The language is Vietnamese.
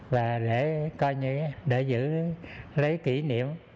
và để giữ lấy kỷ niệm